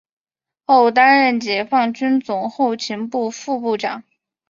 后担任解放军总后勤部副部长。